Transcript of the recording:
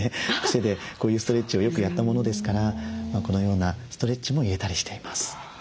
癖でこういうストレッチをよくやったものですからこのようなストレッチも入れたりしています。